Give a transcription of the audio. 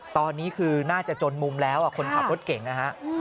ตอนนี้คือน่าจะจนมุมแล้วคนขับรถเก่งนะฮะ